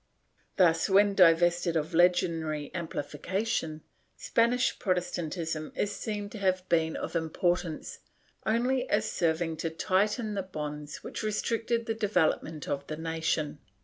* Thus, when divested of legendary amplification, Spanish Prot estantism is seen to have been of importance only as serving to tighten the bonds which restricted the development of the nation.